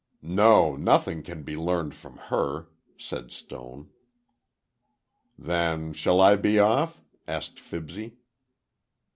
"No, nothing can be learned from her," said Stone. "Then, shall I be off?" asked Fibsy.